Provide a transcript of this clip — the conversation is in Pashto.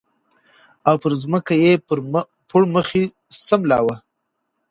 او پر ځمکه یې پړ مخې سملاوه